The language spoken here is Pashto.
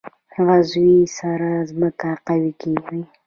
عضوي سره ځمکه قوي کوي.